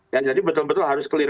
ya jadi betul betul harus clear